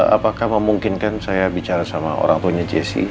apakah memungkinkan saya bicara sama orang tua jesse